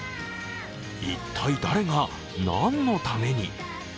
一体誰が何のために？